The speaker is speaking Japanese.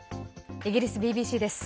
イギリスＢＢＣです。